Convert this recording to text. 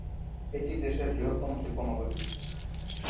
এটি দেশের বৃহত্তম শিল্প নগরী।